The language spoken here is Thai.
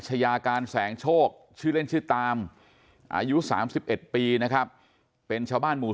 ชายาการแสงโชคชื่อเล่นชื่อตามอายุ๓๑ปีนะครับเป็นชาวบ้านหมู่๔